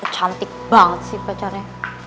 cantik banget sih pacarnya